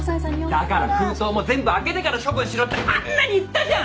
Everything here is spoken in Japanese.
だから封筒も全部開けてから処分しろってあんなに言ったじゃん！